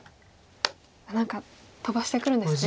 何か飛ばしてくるんですね。